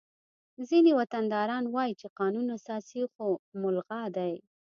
ځینې وطنداران وایي چې قانون اساسي خو ملغا دی